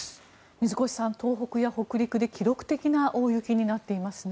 水越さん、東北や北陸で記録的な大雪になっていますね。